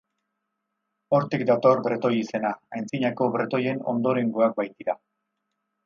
Hortik dator bretoi izena, antzinako britoien ondorengoak baitira.